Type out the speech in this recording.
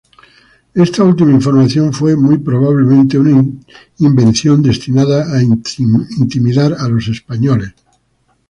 Esta última información fue muy probablemente una invención destinada a intimidar a los españoles.